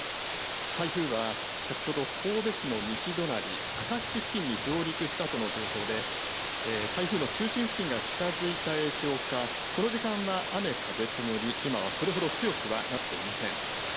台風は先ほど、神戸市の西隣、明石市付近に上陸したとの情報で、台風の中心付近が近づいた影響か、この時間は雨風ともに、今はそれほど強くはなっていません。